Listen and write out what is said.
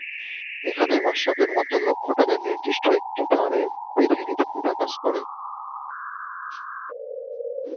এখানেই মাশরাফির মধ্যে লক্ষ্যটাকে নির্দিষ্ট একটি তারে বেঁধে নিতে দ্বিধা কাজ করে।